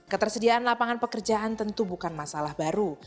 ketersediaan lapangan pekerjaan tentu bukan masalah baru